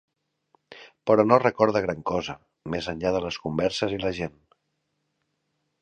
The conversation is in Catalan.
Però no recorda gran cosa, més enllà de les converses i la gent.